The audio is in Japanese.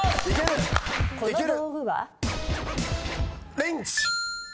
レンチ！